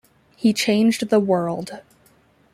He changed the world.